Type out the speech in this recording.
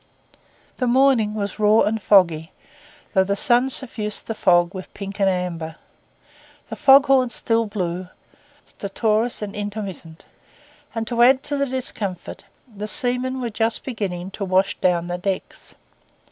The morning was raw and foggy, though the sun suffused the fog with pink and amber; the fog horn still blew, stertorous and intermittent; and to add to the discomfort, the seamen were just beginning to wash down the decks.